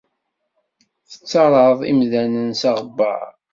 Tettarraḍ imdanen s aɣebbar.